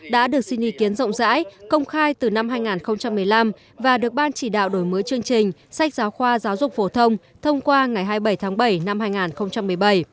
đã được xin ý kiến rộng rãi công khai từ năm hai nghìn một mươi năm và được ban chỉ đạo đổi mới chương trình sách giáo khoa giáo dục phổ thông thông qua ngày hai mươi bảy tháng bảy năm hai nghìn một mươi bảy